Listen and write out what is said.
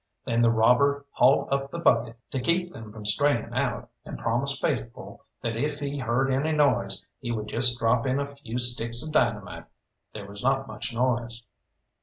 Then the robber hauled up the bucket to keep them from straying out, and promised faithful that if he heard any noise he would just drop in a few sticks of dynamite. There was not much noise.